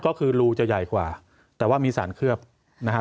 ก็คือรูจะใหญ่กว่าแต่ว่ามีสารเคลือบนะฮะ